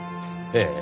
ええ。